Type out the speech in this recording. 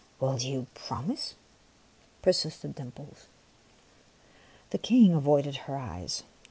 " Will you promise ?" persisted Dimples. The King avoided her eyes.